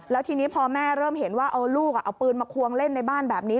แล้วทีนี้พอแม่เริ่มเห็นว่าเอาลูกเอาปืนมาควงเล่นในบ้านแบบนี้